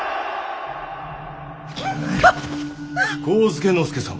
上野介様。